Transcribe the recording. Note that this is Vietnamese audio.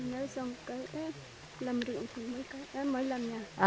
nếu xong cái làm rượu thì mới làm nhà